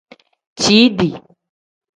Ciidi.